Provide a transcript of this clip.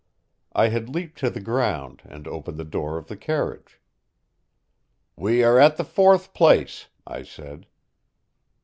I had leaped to the ground, and opened the door of the carriage. "We are at the fourth place," I said.